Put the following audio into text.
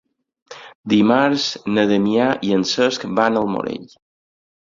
Dimarts na Damià i en Cesc van al Morell.